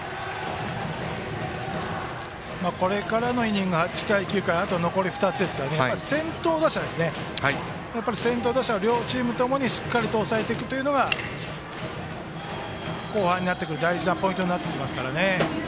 これからのイニング８回、９回とあと残り２つですから先頭打者を両チーム共にしっかり抑えていくのが後半になってからの大事なポイントになってきます。